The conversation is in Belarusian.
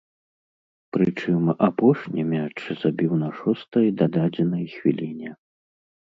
Прычым апошні мяч забіў на шостай дададзенай хвіліне.